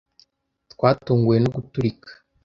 Twatunguwe no guturika.